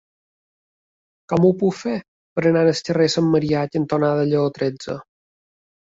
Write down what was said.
Com ho puc fer per anar al carrer Sant Marià cantonada Lleó tretze?